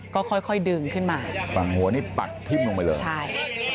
ก็ค่อยค่อยดึงขึ้นมาฝั่งหัวนี่ปักทิ้มลงไปเลยใช่